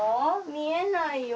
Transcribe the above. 見えないよ